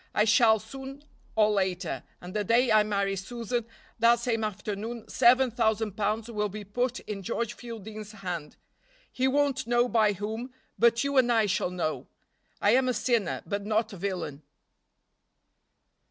I shall soon or late, and the day I marry Susan that same afternoon seven thousand pounds will be put in George Fielding's hand, he won't know by whom, but you and I shall know. I am a sinner, but not a villain."